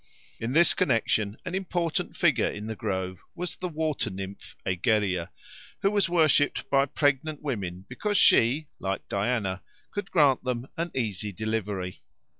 In this connexion an important figure in the grove was the water nymph Egeria, who was worshipped by pregnant women because she, like Diana, could grant them an easy delivery.